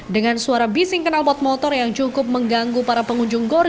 dengan suara bising kenal pot motor yang cukup mengganggu para pengunjung gor